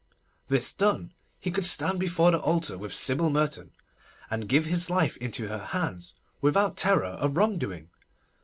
This done, he could stand before the altar with Sybil Merton, and give his life into her hands without terror of wrongdoing.